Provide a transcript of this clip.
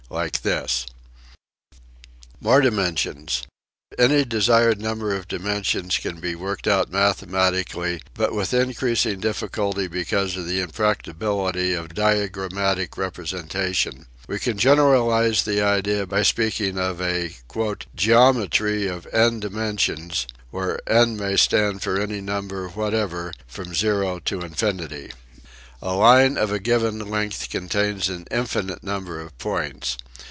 Like this More dimensions: Any desired number of dimensions can be worked out mathematically but with increasing difficulty because of the impracticability of diagrammatical representation. We can generalize the idea by speaking of a " geometry of n dimensions " where n may stand for any number what ever from zero to infinity, A line of a given length contains an infinite number of points.